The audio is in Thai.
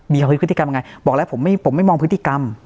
พิธีกรรมยังไงบอกแล้วผมไม่มองพิธีกรรม